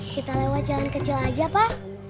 kita lewat jalan kecil aja pak